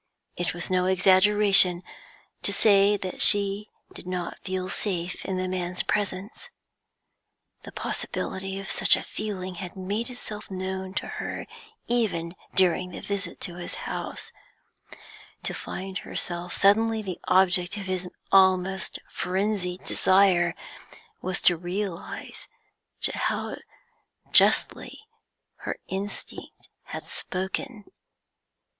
It was no exaggeration to say that she did not feel safe in the man's presence. The possibility of such a feeling had made itself known to her even during the visit to his house; to find herself suddenly the object of his almost frenzied desire was to realize how justly her instinct had spoken.